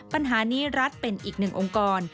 ปัญหานี้รัฐเป็นอีกหนึ่งองค์กร